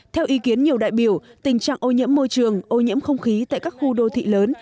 theo ý kiến nhiều đại biểu tình trạng ô nhiễm môi trường ô nhiễm không khí tại các khu đô thị lớn